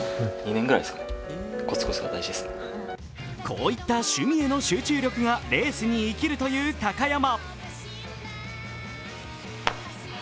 こういった趣味への集中力がレースに生きるという高山。